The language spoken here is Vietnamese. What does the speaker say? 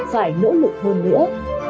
phải nỗ lực hơn nữa